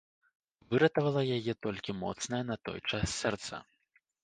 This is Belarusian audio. Выратавала яе толькі моцнае на той час сэрца.